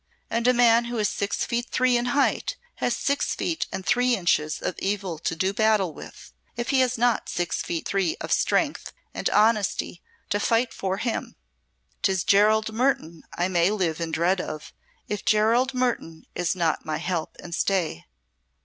And a man who is six feet three in height has six feet and three inches of evil to do battle with, if he has not six feet three of strength and honesty to fight for him. 'Tis Gerald Mertoun I may live in dread of, if Gerald Mertoun is not my help and stay."